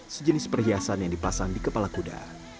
sejenis perhiasan yang dipasang di kepala kuda